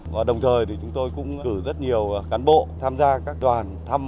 và đồng thời thì chúng tôi cũng cử rất nhiều cán bộ tham gia các đoàn tham gia